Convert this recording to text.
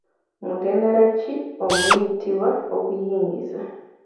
Mutendera ki omuyitibwa okuyingiza?